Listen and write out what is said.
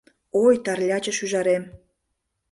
Ой, Тарляче шӱжарем